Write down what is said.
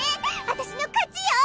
私の勝ちよ！